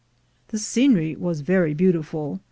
The scenery was very beautiful.